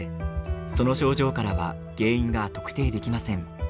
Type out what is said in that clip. その症状からは原因が特定できません。